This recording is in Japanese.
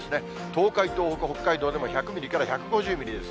東海、東北、北海道でも１００ミリから１５０ミリです。